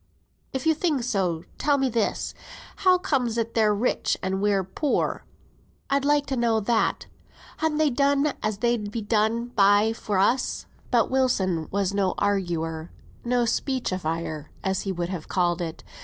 "If you think so, tell me this. How comes it they're rich, and we're poor? I'd like to know that. Han they done as they'd be done by for us?" But Wilson was no arguer; no speechifier as he would have called it.